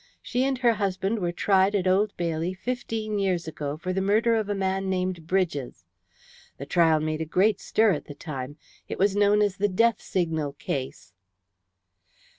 She and her husband were tried at Old Bailey fifteen years ago for the murder of a man named Bridges. The trial made a great stir at the time. It was known as 'The Death Signal Case'."